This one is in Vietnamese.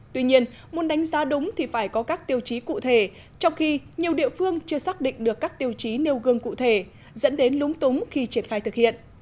tuy nhiên muốn đánh giá đúng thì phải có các tiêu chí cụ thể trong khi nhiều địa phương chưa xác định được các tiêu chí nêu gương cụ thể dẫn đến lúng túng khi triển khai thực hiện